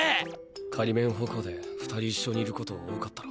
仮免補講で２人一緒にいる事多かったろ。